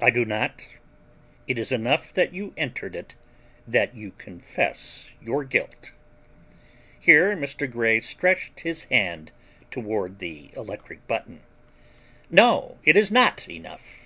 "I do not. It is enough that you entered it; that you confess your guilt." Here Mr. Grey stretched his hand toward the electric button. "No, it is not enough."